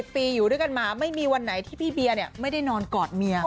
ปีอยู่ด้วยกันมาไม่มีวันไหนที่พี่เบียร์ไม่ได้นอนกอดเมีย